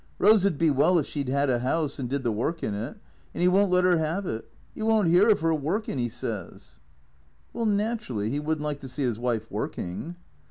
Rose 'd be well if she 'ad a 'ouse and did the work in it. And 'E won't let 'er 'ave it. 'E won't 'ear of 'er workin', 'E says." " Well, naturally, he would n't like to see his wife working."